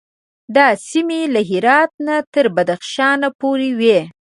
دا سیمې له هرات نه تر بدخشان پورې وې.